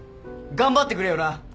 頑張ってくれよな！